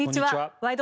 「ワイド！